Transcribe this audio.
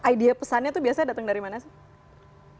idea pesannya itu biasanya datang dari mana sih